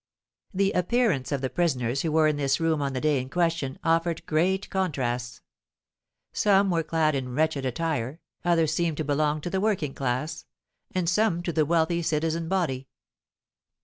The appearance of the prisoners, who were in this room on the day in question, offered great contrasts. Some were clad in wretched attire, others seemed to belong to the working class, and some to the wealthy citizen body.